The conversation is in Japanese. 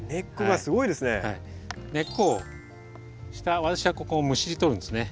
根っこを私はここをむしりとるんですね。